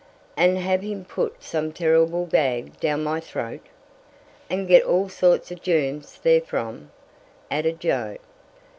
"And have him put some terrible gag down my throat?" "And get all sorts of germs therefrom," added Joe.